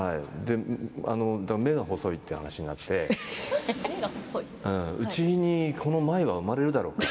あと、目が細いという話になってうちにこの舞は生まれるだろうか？